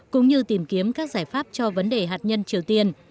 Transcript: cũng như tìm kiếm các giải pháp cho vấn đề hạt nhân triều tiên